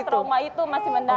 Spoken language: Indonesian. trauma itu masih mendalam